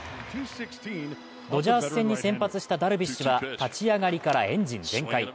ドジャース戦に先発したダルビッシュは立ち上がりからエンジン全開。